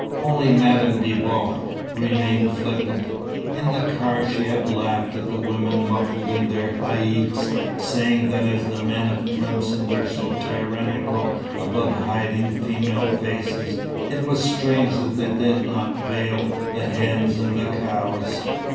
Only Madame de Vaux remained flippant. In the car, she had laughed at the women muffled in their haïcks, saying that as the men of Tlemcen were so tyrannical about hiding female faces, it was strange they did not veil the hens and cows.